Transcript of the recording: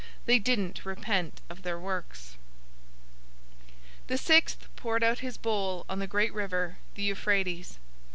They didn't repent of their works. 016:012 The sixth poured out his bowl on the great river, the Euphrates.